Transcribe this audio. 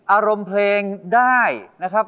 อารมณ์เพลงได้นะครับ